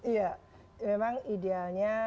ya memang idealnya